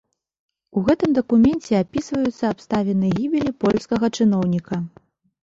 У гэтым дакуменце апісваюцца абставіны гібелі польскага чыноўніка.